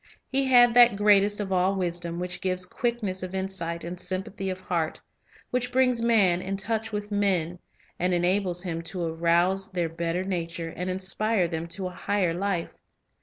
Ik had that greatest of all wisdom, which gives quickness of insight and sympathy of heart, which brings man in touch with men, and enables him to arouse their better nature and inspire them to a higher life.